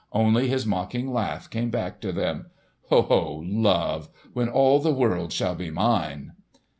Only his mocking laugh came back to them. "Ho, ho! Love! When all the world shall be mine!"